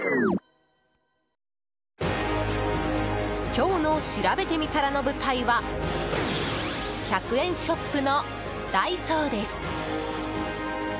今日のしらべてみたらの舞台は１００円ショップのダイソーです。